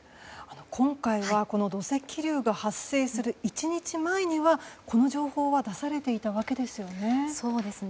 今回は土石流が発生する１日前にはこの情報は出されていたわけですよね。